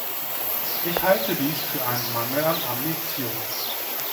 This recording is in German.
Ich halte dies für einen Mangel an Ambition.